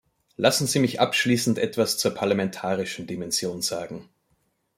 Lassen Sie mich abschließend etwas zur parlamentarischen Dimension sagen.